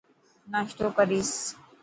ناشتو ڪريس.